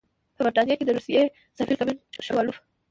په برټانیه کې د روسیې سفیر کنټ شووالوف.